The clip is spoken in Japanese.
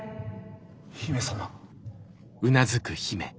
姫様。